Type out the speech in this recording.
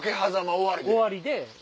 終わりで。